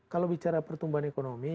kalau bicara pertumbuhan ekonomi